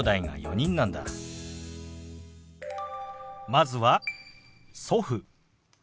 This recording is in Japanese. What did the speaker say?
まずは「祖父」。